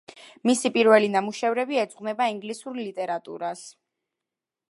მისი პირველი ნამუშევრები ეძღვნება ინგლისურ ლიტერატურას.